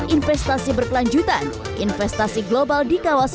investasi berkelanjutan investasi global di kawasan